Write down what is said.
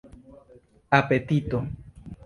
apetito